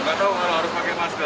nggak tahu kalau harus pakai masker